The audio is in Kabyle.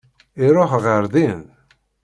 Iruḥ ɣer din?